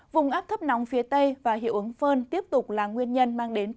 vùng áp thấp nóng phía tây và hiệu ứng phơn tiếp tục là nguyên nhân